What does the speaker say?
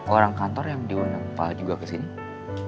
orang kantor yang diundang pak juga ke sini